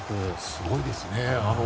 すごいですね。